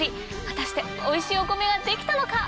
果たしておいしいお米はできたのか？